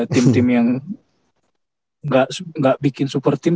tim tim yang gak bikin super team